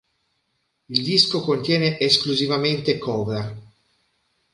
Il disco contiene esclusivamente cover.